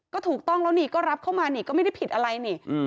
ก็ถูกต้องแล้วนี่ก็รับเข้ามานี่ก็ไม่ได้ผิดอะไรนี่